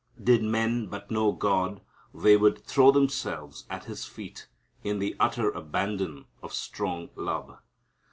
Did men but know God they would throw themselves at His feet in the utter abandon of strong love.